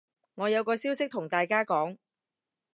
我有個消息同大家講